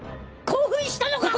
興奮したのか！？